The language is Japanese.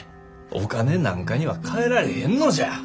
お金なんかにはかえられへんのじゃ。